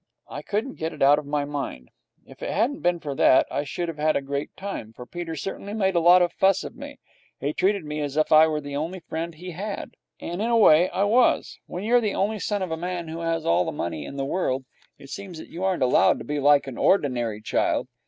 I couldn't get it out of my mind. If it hadn't been for that, I should have had a great time, for Peter certainly made a lot of fuss of me. He treated me as if I were the only friend he had. And, in a way, I was. When you are the only son of a man who has all the money in the world, it seems that you aren't allowed to be like an ordinary kid.